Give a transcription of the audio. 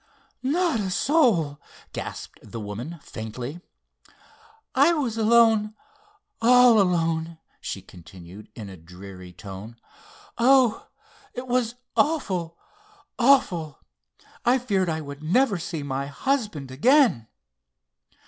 "Not a soul," gasped the woman, faintly. "I was alone—all alone," she continued in a dreary tone. "Oh, it was awful, awful! I feared I would never see my husband again."